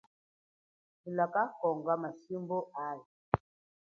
Vula kanokanga mashimbu ali.